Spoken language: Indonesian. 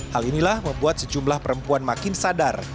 hal inilah membuat sejumlah perempuan makin sadar